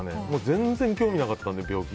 全然興味なかったので。